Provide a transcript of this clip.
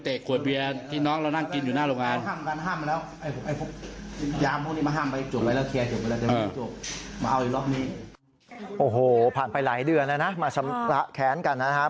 ตัวนายแรงก็ไม่รู้จักนายมินเอสองค์ก็เลยเงยหน้าขึ้นไปมองนิดเดียว